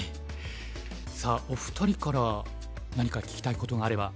さあお二人から何か聞きたいことがあれば。